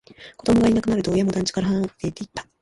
子供がいなくなると、親も団地から離れていった